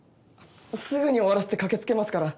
すぐに終わらせて駆け付けますから。